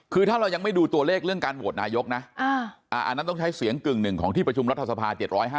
คือถ้าเรายังไม่ดูตัวเลขเรื่องการโหวตนายกนะอันนั้นต้องใช้เสียงกึ่งหนึ่งของที่ประชุมรัฐสภา๗๕